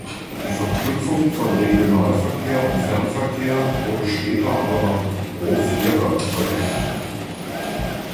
Die Verknüpfung von Regionalverkehr und Fernverkehr wurde später aber nach Rho Fiera verlegt.